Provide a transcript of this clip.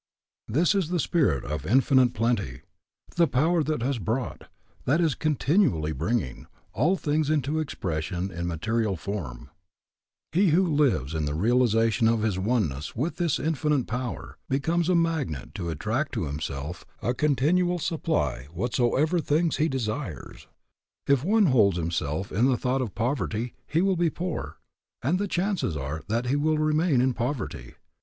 This is the Spirit of Infinite Plenty, the Power that has brought, that is continually bringing, all things into expression in material form. He who lives in the realization of his oneness with this Infinite Power becomes a magnet to attract to himself a continual supply of whatsoever things he desires. If one hold himself in the thought of poverty, he will be poor, and the chances are that he will remain in poverty.